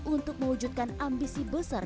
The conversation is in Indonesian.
untuk mewujudkan ambisi besar